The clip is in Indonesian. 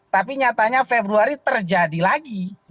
tapi nyatanya februari terjadi lagi